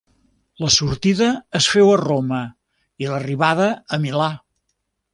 La sortida es féu a Roma i l'arribada a Milà.